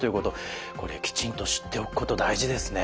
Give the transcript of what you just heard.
これきちんと知っておくこと大事ですね。